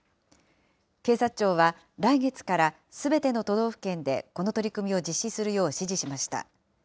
警察庁は、来月からすべての都道府県でこの取り組みを実施するよう指示しました。